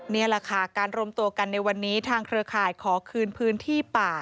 นี่แหละค่ะการรวมตัวกันในวันนี้ทางเครือข่ายขอคืนพื้นที่ป่า